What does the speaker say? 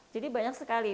jadi banyak sekali